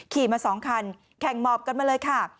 ขี่มา๒คันแข่งหมอบกันมาเลยค่ะ